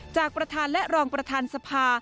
จากประธานและรองประธานสภา